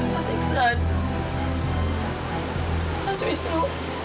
mas iksan mas wisnu